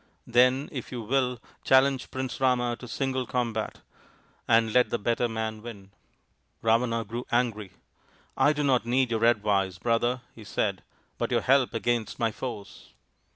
Then, if you will, challenge Prince Rama to single combat, and let the better man win." Ravana grew angry. " I do not need your advice, brother," he said, " but your help against my foes."